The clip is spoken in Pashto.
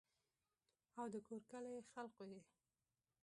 او دَکور کلي خلقو ئې